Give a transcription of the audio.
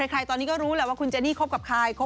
ใครตอนนี้ก็รู้แหละว่าคุณเจนี่คบกับใคร